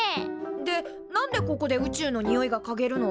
で何でここで宇宙のにおいがかげるの？